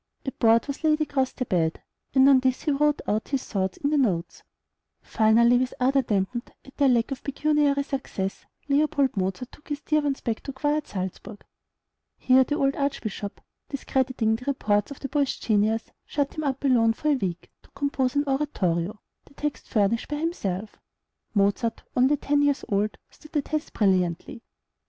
A board was laid across the bed, and on this he wrote out his thoughts in the notes. Finally, with ardor dampened at their lack of pecuniary success, Leopold Mozart took his dear ones back to quiet Salzburg. Here the cold archbishop, discrediting the reports of the boy's genius, shut him up alone for a week to compose an oratorio, the text furnished by himself. Mozart, only ten years old, stood the test brilliantly.